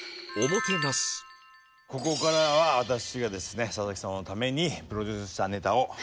ここからは私がですね佐々木様のためにプロデュースしたネタを見て頂こうと。